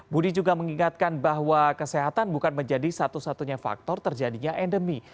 budi juga mengingatkan bahwa kesehatan bukan menjadi satu satunya faktor terjadinya endemi